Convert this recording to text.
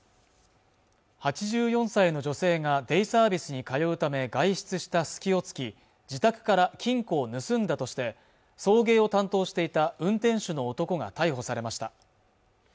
８４歳の女性がデイサービスに通うため外出した隙をつき自宅から金庫を盗んだとして送迎を担当していた運転手の男が逮捕されました